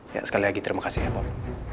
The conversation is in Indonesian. ya sekali lagi terima kasih ya pak